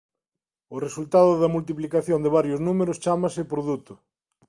O resultado da multiplicación de varios números chámase produto.